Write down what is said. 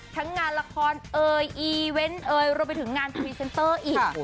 งานละครเอยอีเวนต์เอ่ยรวมไปถึงงานพรีเซนเตอร์อีก